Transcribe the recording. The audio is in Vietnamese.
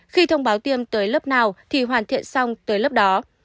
khi thông báo tiêm tới lớp nào thì hoàn thiện xong tới lớp đó